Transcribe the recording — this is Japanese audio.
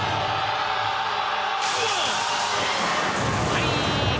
はい！